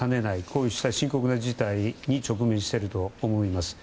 こうした深刻な事態に直面していると思います。